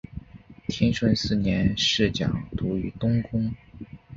天顺四年侍讲读于东宫。